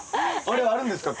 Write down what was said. あれあるんですか？